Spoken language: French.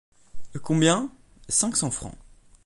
Combien? Cinq cents francs.